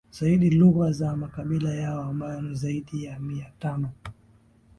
zaidi lugha za makabila yao ambayo ni zaidi ya Mia tano